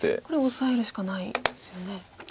これオサえるしかないんですよね。